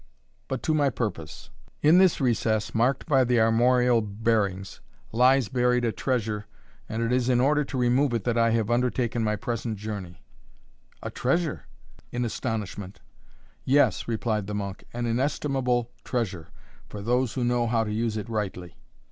But to my purpose. In this recess, marked by the armorial bearings, lies buried a treasure, and it is in order to remove it that I have undertaken my present journey." "A treasure!" echoed I, in astonishment. "Yes," replied the monk, "an inestimable treasure, for those who know how to use it rightly."